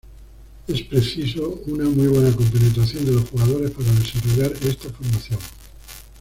Es preciso una muy buena compenetración de los jugadores para desarrollar esta formación.